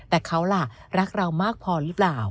แต่เขาล่ะรักเรามากพอหรือเปล่า